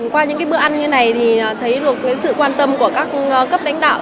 qua những bữa ăn như này thì thấy được sự quan tâm của các cấp đánh đạo